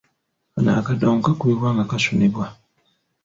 Kano akadongo kakubibwa nga kasunibwa.